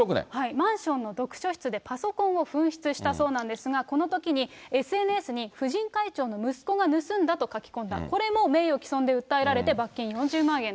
マンションの読書室でパソコンを紛失したそうなんですが、このときに、ＳＮＳに婦人会長の息子が盗んだと書き込んだ、これも名誉毀損で訴えられて罰金４０万円と。